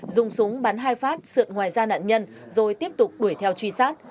dùng súng bắn hai phát sượn ngoài da nạn nhân rồi tiếp tục đuổi theo truy sát